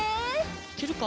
いけるか？